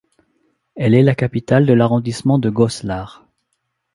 Elle est la capitale de l'arrondissement de Goslar.